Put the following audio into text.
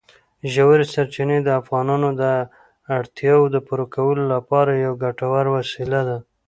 ژورې سرچینې د افغانانو د اړتیاوو د پوره کولو لپاره یوه ګټوره وسیله ده.